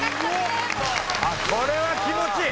これは気持ちいい！